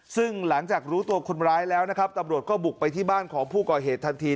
ซึ่งหลังจากรู้ตัวคนร้ายแล้วนะครับตำรวจก็บุกไปที่บ้านของผู้ก่อเหตุทันที